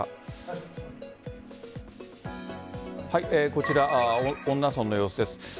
こちら、恩納村の様子です。